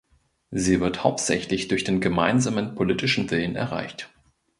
Sie wird hauptsächlich durch den gemeinsamen politischen Willen erreicht.